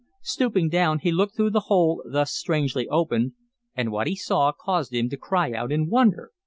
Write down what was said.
Stooping down, he looked through the hole thus strangely opened and what he saw caused him to cry out in wonder.